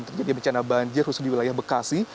terjadi bencana banjir khusus di wilayah bekasi